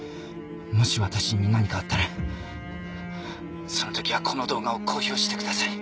もし私に何かあったらその時はこの動画を公表してください。